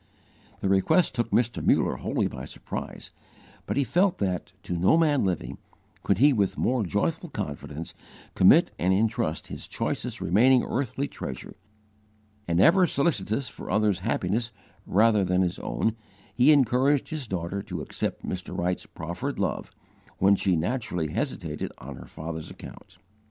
The request took Mr. Muller wholly by surprise, but he felt that, to no man living, could he with more joyful confidence commit and intrust his choicest remaining earthly treasure; and, ever solicitous for others' happiness rather than his own, he encouraged his daughter to accept Mr. Wright's proffered love, when she naturally hesitated on her father's account.